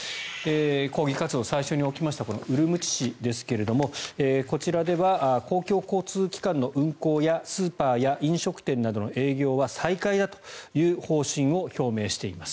抗議活動、最初に起きましたウルムチ市ですがこちらでは公共交通機関の運行やスーパーや飲食店の営業は再開だという方針を表明しています。